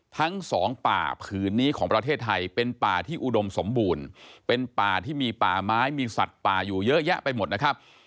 ทั้งสองป่าผืนนี้ของประเทศไทยเป็นป่าที่อุดมสมบูรณ์เป็นป่าที่มีป่าไม้มีสัตว์ป่าอยู่เยอะแยะไปหมดนะครับ